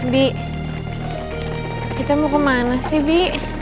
bi kita mau kemana sih bi